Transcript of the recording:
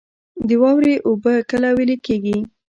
د واورې اوبه کله ویلی کیږي؟